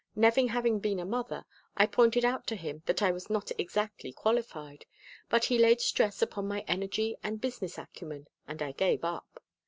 Never having been a mother, I pointed out to him that I was not exactly qualified, but he laid stress upon my energy and business acumen and I gave up.